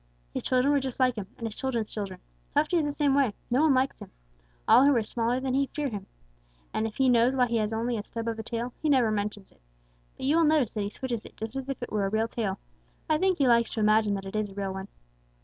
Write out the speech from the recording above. His children were just like him, and his children's children. Tufty is the same way. No one likes him. All who are smaller than he fear him. And if he knows why he has only a stub of a tail, he never mentions it. But you will notice that he switches it just as if it were a real tail. I think he likes to imagine that it is a real one."